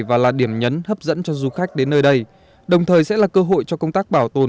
và là điểm nhấn hấp dẫn cho du khách đến nơi đây đồng thời sẽ là cơ hội cho công tác bảo tồn